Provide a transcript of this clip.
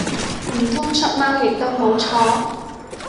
唔通出貓亦都冇錯？